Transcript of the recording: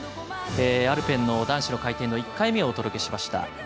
アルペン男子回転の１回目お届けしました。